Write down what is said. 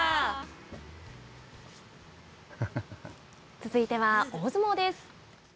続いては大相撲です。